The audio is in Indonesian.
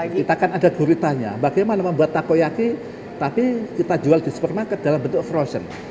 kita kan ada guritanya bagaimana membuat takoyaki tapi kita jual di supermarket dalam bentuk frozen